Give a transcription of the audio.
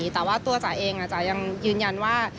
แต่ว่าตัวจ๋าเองจ๋ายังยืนยันว่า